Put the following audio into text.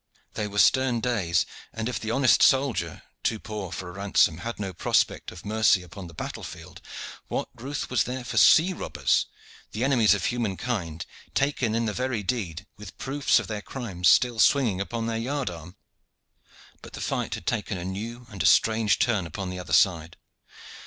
They were stern days, and if the honest soldier, too poor for a ransom, had no prospect of mercy upon the battle field, what ruth was there for sea robbers, the enemies of humankind, taken in the very deed, with proofs of their crimes still swinging upon their yard arm. But the fight had taken a new and a strange turn upon the other side.